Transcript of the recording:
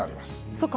そうか。